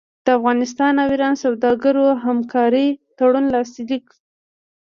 د افغانستان او ایران سوداګرو د همکارۍ تړون لاسلیک